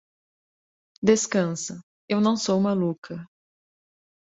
Descansa; eu não sou maluca.